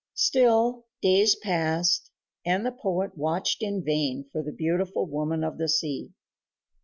Still, days passed, and the poet watched in vain for the beautiful woman of the sea.